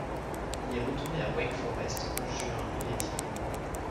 Il est retourne à Wake Forest en juin et est diplômé.